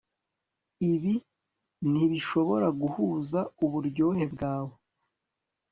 Ibi ntibishobora guhuza uburyohe bwawe